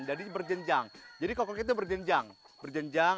jadi berjenjang jadi kokok itu berjenjang